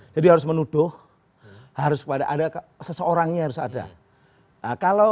jadi harus menuduh seseorangnya harus ada